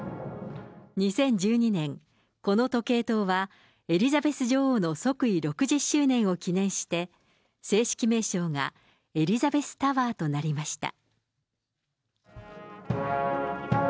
２０１２年、この時計塔は、エリザベス女王の即位６０周年を記念して正式名称がエリザベスタワーとなりました。